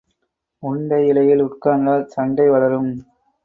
உண்ட இலையில் உட்கார்ந்தால் சண்டை வளரும்.